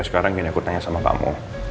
oke sekarang nino aku tanya sama pakmu